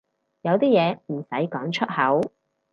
有啲嘢唔使講出口